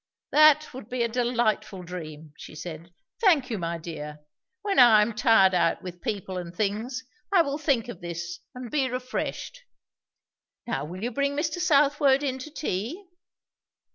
"That would be a delightful dream!" she said. "Thank you, my dear. When I am tired out with people and things, I will think of this and be refreshed. Now will you bring Mr. Southwode in to tea?"